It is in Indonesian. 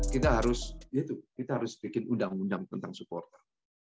kita harus itu kita harus bikin undang undang tentang supporter